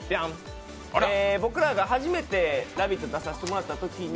僕らが初めて「ラヴィット！」に出させてもらったときに